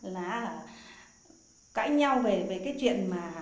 là cãi nhau về cái chuyện mà